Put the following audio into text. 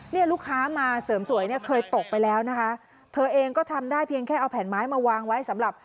เนี่ยลูกค้ามาเสริมสวยเนี่ยเคยตกไปแล้วนะคะเธอเองก็ทำได้เพียงแค่เอาแผ่นไม้มาวางไว้สำหรับ